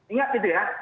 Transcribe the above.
ingat itu ya